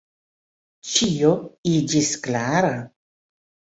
Ĉio iĝis klara.